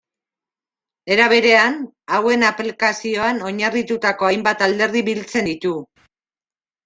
Era berean, hauen aplikazioan oinarritutako hainbat alderdi biltzen ditu.